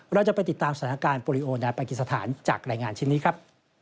เราจะไปติดตามสถานการณ์โปรลิโอนาปากิสถานจากรายงานชิ้นนี้ครับ